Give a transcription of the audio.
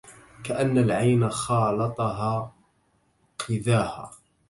كأن العين خالطها قذاها